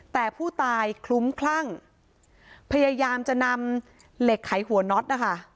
แต่ผู้ตายคลุ้มคลั่งพยายามจะนำเหล็กไขหัวน็อตนะคะ